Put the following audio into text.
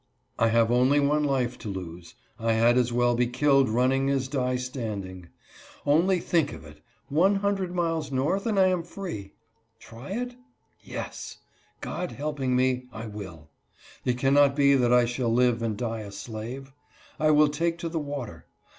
I have only one life to lose. I had as well be killed running as die standing. Only think of it : one hundred miles north, and I am free ! Try it ? Yes ! God helping me, I will. It cannot be that I shall live and die a slave. I will take to the water.